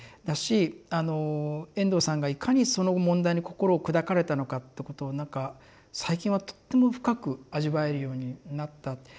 だし遠藤さんがいかにその問題に心を砕かれたのかってことをなんか最近はとっても深く味わえるようになった。